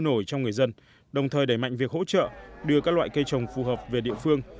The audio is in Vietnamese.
nổi trong người dân đồng thời đẩy mạnh việc hỗ trợ đưa các loại cây trồng phù hợp về địa phương